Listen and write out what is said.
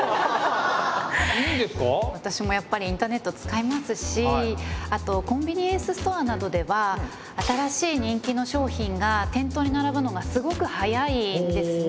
私もやっぱりインターネット使いますしあとコンビニエンスストアなどでは新しい人気の商品が店頭に並ぶのがすごく早いですね。